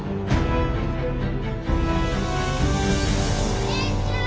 お姉ちゃん！